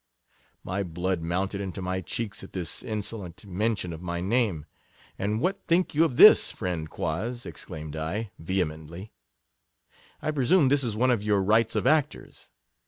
My blood mounted into my cheeks at this inso lent mention of my name. And what think you of this, friend Quoz? exclaimed I, vehe mently : I presume this is one of your " rights of actors."